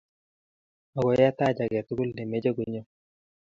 mokoi ataach ak ge tuguk ne meche gonyo.